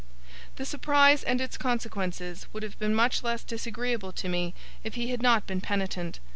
The surprise and its consequences would have been much less disagreeable to me if he had not been penitent.